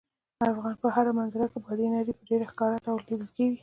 د افغانستان په هره منظره کې بادي انرژي په ډېر ښکاره ډول لیدل کېږي.